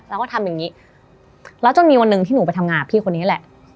เราก็ทำอย่างนี้แล้วจนมีวันหนึ่งที่หนูไปทำงานกับพี่คนนี้แหละ